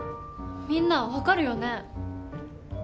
みんな分かるよね？